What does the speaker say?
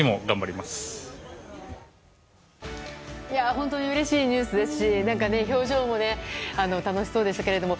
本当にうれしいニュースですし表情も楽しそうでしたけども。